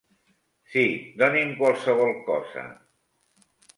Sí, doni'm qualsevol cosa.